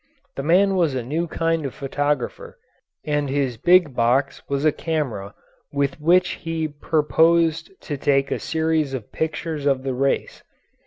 The man was a new kind of photographer, and his big box was a camera with which he purposed to take a series of pictures of the race.